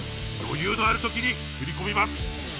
余裕のあるときに振り込みます。